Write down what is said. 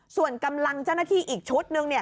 ส่วนกำลังเจ้าหน้าที่อีกชุดนึงเนี่ย